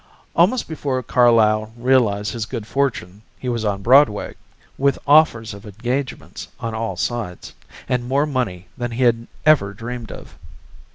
Almost before Carlyle realized his good fortune he was on Broadway, with offers of engagements on all sides, and more money than he had ever dreamed of.